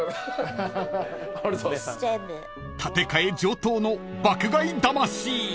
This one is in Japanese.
［立て替え上等の爆買い魂］